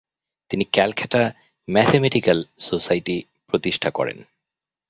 তিনি Calcutta Mathematical Society প্রতিষ্ঠা করেন।